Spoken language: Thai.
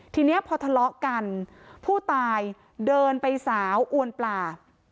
ทีนี้พอทะเลาะกันผู้ตายเดินไปสาวอวนปลา